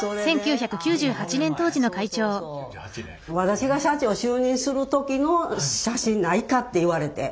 私が社長就任する時の写真ないかって言われて。